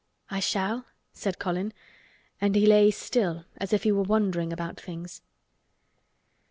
"I shall?" said Colin, and he lay still as if he were wondering about things.